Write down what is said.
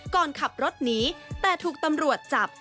ก่อนขับรถหนีแต่ถูกตำรวจจับ